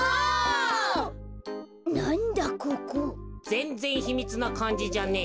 ぜんぜんひみつなかんじじゃねえ。